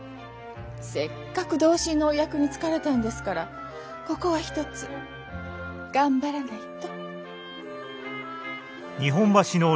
せっかく同心のお役に就かれたんですからここは一つ頑張らないと。